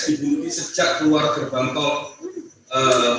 di bumi sejak keluar gerbang tol